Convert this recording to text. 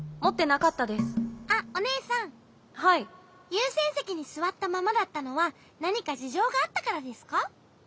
ゆうせんせきにすわったままだったのはなにかじじょうがあったからですか？